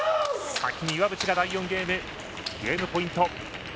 先に岩渕が第４ゲームゲームポイント。